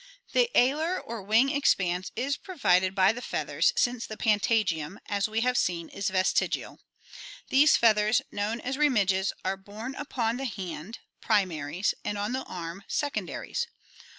The alar or wing expanse is provided by the feathers, since the patagium, as we have seen, is vestigial. These feathers, known as remiges, are borne upon the hand (primaries), and on the arm (secondaries).